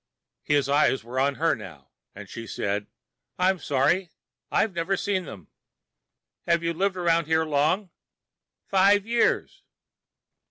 _ His eyes were on her now, and she said, "I'm sorry, I've never seen them." "Have you lived around here long?" "Five years."